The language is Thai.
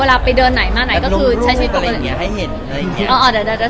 เวลาไปเดินไหนมาไหนก็คือใช้ชีวิตตรงนั้น